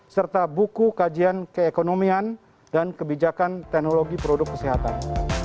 serta buku kajian keekonomian dan kebijakan teknologi produk kesehatan